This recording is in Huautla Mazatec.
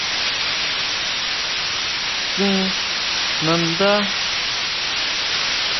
Tsín nandá.